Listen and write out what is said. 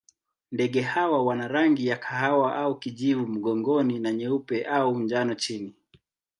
Ndege hawa wana rangi ya kahawa au kijivu mgongoni na nyeupe au njano chini.